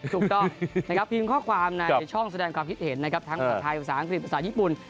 ถูกต้องนะครับพิมพ์ข้อความในช่องแสดงความคิดเห็นนะครับทั้งภาษาไทยภาษาอังกฤษภาษาญี่ปุ่น